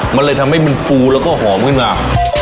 มันเลยทำให้มันฟูแล้วก็หอมขึ้นมา